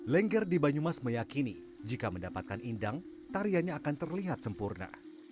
lengger di banyumas meyakini jika mendapatkan indang tariannya akan terlihat sempurna